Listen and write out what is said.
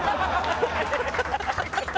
ハハハハ！